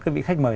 các vị khách mời